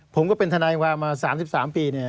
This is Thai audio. ผมก็เป็นธนายมา๓๓ปี